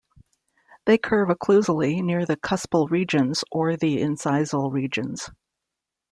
They curve occlusally near the cuspal regions or the incisal regions.